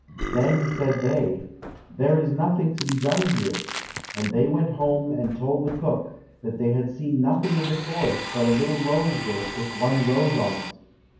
Then said they, "There is nothing to be done here," and they went home and told the cook that they had seen nothing in the forest but a little rose bush with one rose on it.